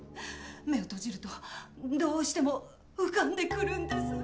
目を閉じるとどうしても浮かんでくるんです。